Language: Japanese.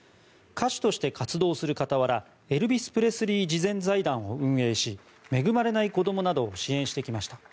歌手として活動する傍らエルビス・プレスリー慈善財団を運営し恵まれない子供などを支援してきました。